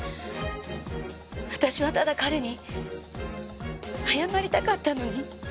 私はただ彼に謝りたかったのに。